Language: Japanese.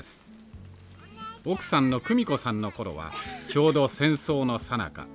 奥さんの玖美子さんの頃はちょうど戦争のさなか。